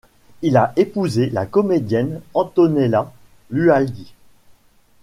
Il a épousé la comédienne Antonella Lualdi.